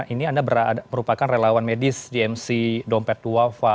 ini anda merupakan relawan medis di mc dompet duafa